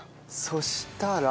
そしたら？